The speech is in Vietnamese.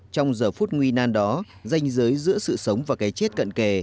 trong giờ phút nguy nan đó danh giới giữa sự sống và cái chết cận kề